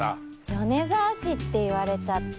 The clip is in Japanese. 米沢市って言われちゃって。